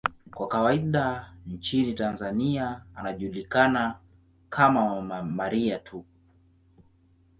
Kwa kawaida nchini Tanzania anajulikana kama 'Mama Maria' tu.